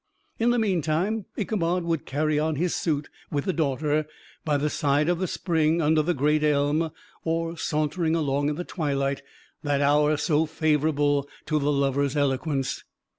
In the meantime, Ichabod would carry on his suit with the daughter by the side of the spring under the great elm, or sauntering along in the twilight, that hour so favorable to the lover's eloquence.